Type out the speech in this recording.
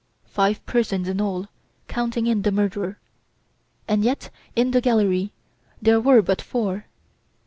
Five persons in all, counting in the murderer. And yet, in the gallery, there were but four.